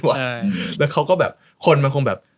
แต่เขาก็แบบคนมันแบบ